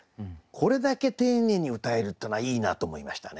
これだけ丁寧にうたえるっていうのはいいなと思いましたね。